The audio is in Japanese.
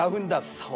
そう。